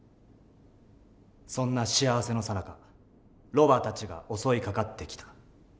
そんな幸せのさなかロバたちが襲いかかってきた。